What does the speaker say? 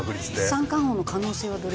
三冠王の可能性はどれぐらい？